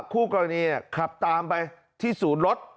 คู่กรณีขับตามไปที่ศูนย์รถ